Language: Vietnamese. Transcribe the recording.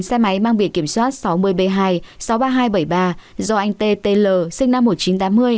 xe máy mang biệt kiểm soát sáu mươi b hai sáu trăm ba mươi hai bảy mươi ba do anh t t l sinh năm một nghìn chín trăm tám mươi